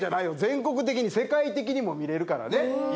全国的に世界的にも見れるからね。